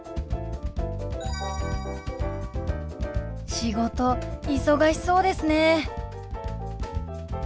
仕事忙しそうですね。